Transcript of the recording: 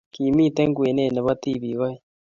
Kimito kwenet ne bo tibiik oeng